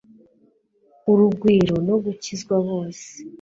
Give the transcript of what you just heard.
urugwiro no gukizwa, bose